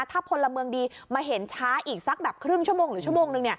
ถ้าพลเมืองดีมาเห็นช้าอีกสักแบบครึ่งชั่วโมงหรือชั่วโมงนึง